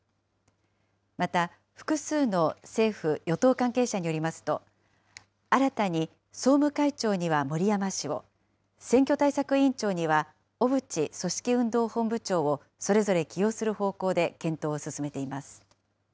また複数の政府・与党関係者によりますと、新たに総務会長には森山氏を、選挙対策委員長には小渕組織運動本部長をそれぞれ起用する方向で検討を進めています。